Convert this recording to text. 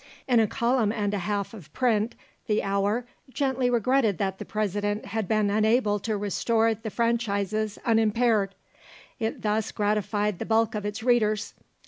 In a column and a half of print THE HOUR gently regretted that the President had been unable to restore the franchises unimpaired; it thus gratified the bulk of its readers.